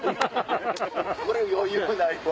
これ余裕ないわ。